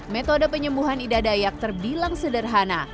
metode penyembuhan ida dayak terbilang sederhana